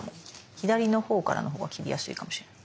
左のほうからのほうが切りやすいかもしれない。